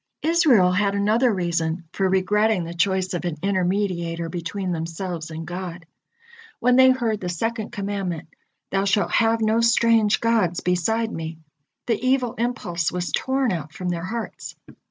Israel had another reason for regretting the choice of an intermediator between themselves and God. When they heard the second commandment: "Thou shalt have no strange gods beside Me," the evil impulse was torn out from their hearts.